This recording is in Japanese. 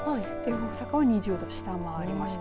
大阪は２０度下回りました。